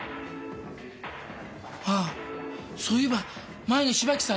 あぁそういえば前に芝木さんね。